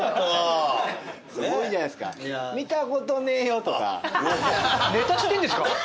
すごいじゃないですか「見た事ねぇよ」とか。ネタ知ってんですか？